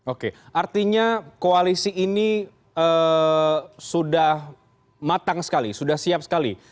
oke artinya koalisi ini sudah matang sekali sudah siap sekali